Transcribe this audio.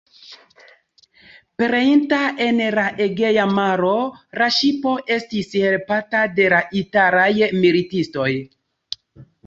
Pereinta en la Egea maro, la ŝipo estis helpata de la italaj militistoj.